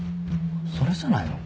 それじゃないの？